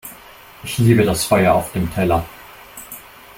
Ich liebe das Feuer auf dem Teller!